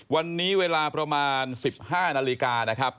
วันนี้เวลาประมาณ๑๕นาฬิกานะครับ